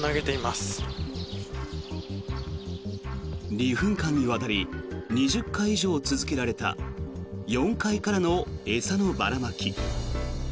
２分間にわたり２０回以上続けられた４階からの餌のばらまき。